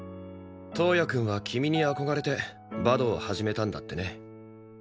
橙也くんは君に憧れてバドを始めたんだってね。